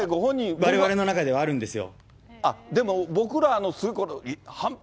われわれの中ではあるんですよ。